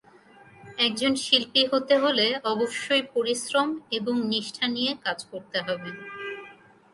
একজন শিল্পী হতে হলে অবশ্যই পরিশ্রম এবং নিষ্ঠা নিয়ে কাজ করতে হবে।